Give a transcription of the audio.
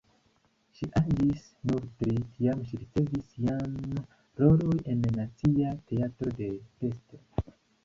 Ŝi aĝis nur tri, kiam ŝi ricevis jam rolon en Nacia Teatro de Pest.